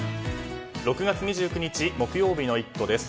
６月２９日木曜日の「イット！」です。